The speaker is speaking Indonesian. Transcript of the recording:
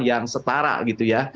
yang setara gitu ya